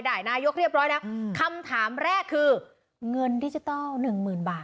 นายกเรียบร้อยแล้วคำถามแรกคือเงินดิจิทัลหนึ่งหมื่นบาท